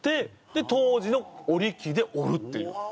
で当時の織り機で織るっていう。